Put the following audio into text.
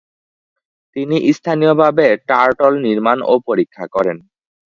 তিনি স্থানীয়ভাবে টার্টল নির্মাণ ও পরীক্ষা করেন।